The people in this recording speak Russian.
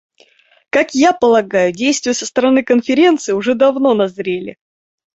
Как я полагаю, действия со стороны Конференции уже давно назрели.